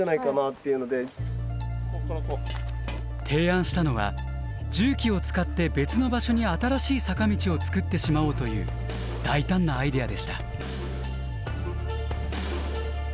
提案したのは重機を使って別の場所に新しい坂道を造ってしまおうという大胆なアイデアでした。